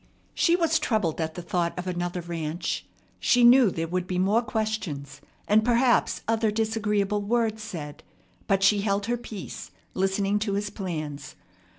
She was troubled at the thought of another ranch. She knew there would be more questions, and perhaps other disagreeable words said; but she held her peace, listening to his plans.